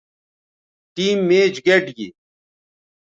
ٹیم میچ گئٹ گی